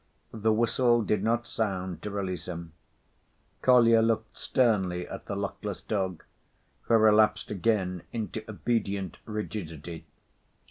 the whistle did not sound to release him. Kolya looked sternly at the luckless dog, who relapsed again into obedient rigidity.